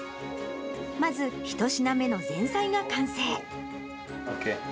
まず１品目の前菜が完成。